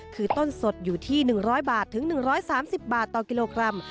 คือต้นสดอยู่ที่๑๐๐บาทถึง๑๓๐บาทต่อกิโลกรัม